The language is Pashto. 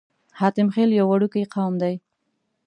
حاتم خيل يو وړوکی قوم دی.